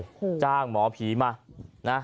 อุปกรณ์ก็จ้างหมอภีมา